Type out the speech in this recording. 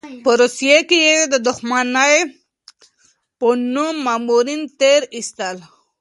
په روسيې کې یې د دښمنۍ په نوم مامورین تېر ایستل.